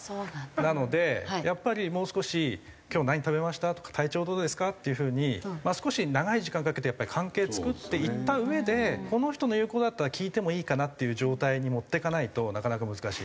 なのでやっぱりもう少し「今日何食べました？」とか「体調どうですか？」っていう風に少し長い時間かけてやっぱり関係作っていったうえでこの人の言う事だったら聞いてもいいかなっていう状態に持っていかないとなかなか難しい。